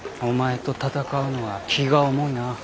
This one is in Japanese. お前と戦うのは気が重いな。